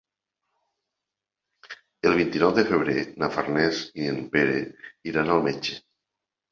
El vint-i-nou de febrer na Farners i en Pere iran al metge.